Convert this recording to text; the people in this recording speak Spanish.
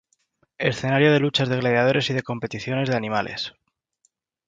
Escenario de luchas de gladiadores y de competiciones de animales.